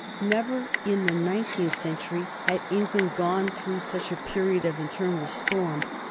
Never, in the nineteenth century, had England gone through such a period of internal storm.